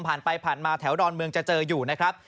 ผ่านไปผ่านมาแถวดอนเมืองจะเจออยู่นะครับ